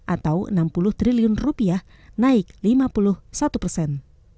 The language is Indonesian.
atau enam puluh triliun rupiah naik lima puluh satu persen